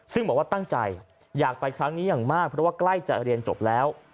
ซึ่งบอกว่าตั้งใจอยากไปครั้งนี้อย่างมากเพราะว่าใกล้จะเรียนจบแล้ว